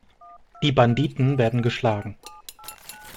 Die Banditen werden geschlagen.